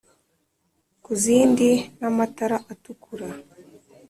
Kuzindi n’ amatara atukura